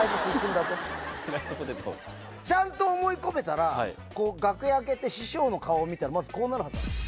ちゃんと思い込めたら楽屋開けて師匠の顔を見たらまずこうなるはずなんです。